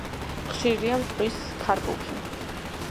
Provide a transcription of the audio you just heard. ხშირია მტვრის ქარბუქი.